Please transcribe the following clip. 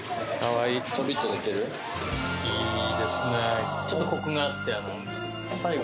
いいですね